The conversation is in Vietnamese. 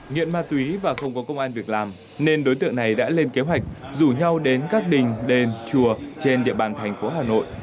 nghiện ma túy và không có công an việc làm nên đối tượng này đã lên kế hoạch rủ nhau đến các đình đền chùa trên địa bàn thành phố hà nội